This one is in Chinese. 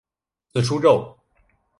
字叔胄。